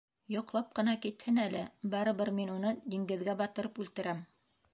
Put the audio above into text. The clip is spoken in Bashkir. Йоҡлап ҡына китһен әле, барыбер мин уны диңгеҙгә батырып үлтерәм.